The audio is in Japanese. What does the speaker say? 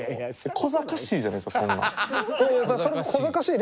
こざかしいじゃないですかそんなん。